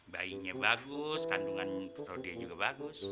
bayinya bagus kandungan prodia juga bagus